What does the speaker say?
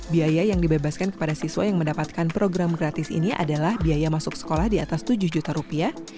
biaya yang dibebaskan kepada siswa yang mendapatkan program gratis ini adalah biaya masuk sekolah di atas tujuh juta rupiah